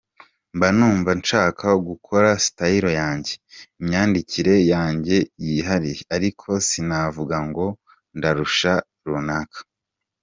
Mba numva nshaka gukora style yanjye, imyandikire yanjye yihariye ariko sinavuga ngo ndarusha runaka.